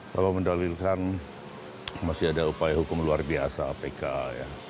bapak mendalilkan masih ada upaya hukum luar biasa apka ya